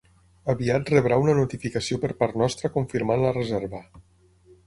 Aviat rebrà una notificació per part nostra confirmant la reserva.